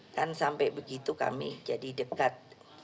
kan sampai begitu kami jadi dekat